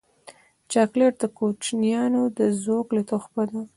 چاکلېټ د کوچنیانو د زوکړې تحفه ده.